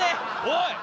おい！